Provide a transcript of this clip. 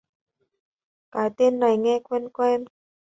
Cái tên này nghe quen quen